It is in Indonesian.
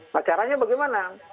nah caranya bagaimana